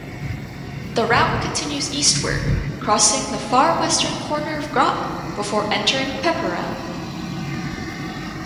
The route continues eastward, crossing the far western corner of Groton before entering Pepperell.